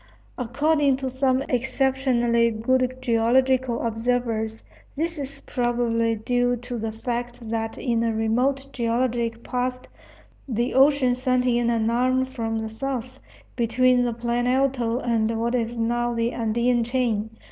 According to some exceptionally good geological observers, this is probably due to the fact that in a remote geologic past the ocean sent in an arm from the south, between the Plan Alto and what is now the Andean chain.